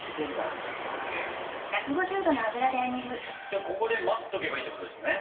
じゃあここで待っとけばいいっていうことですね。